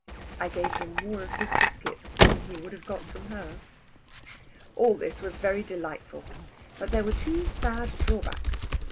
I gave him more of his biscuits than he would have got from her. All this was very delightful. But there were two sad drawbacks.